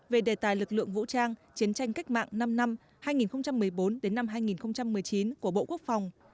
về đề tài lực lượng vũ trang chiến tranh cách mạng năm năm hai nghìn một mươi bốn năm hai nghìn một mươi chín của bộ quốc phòng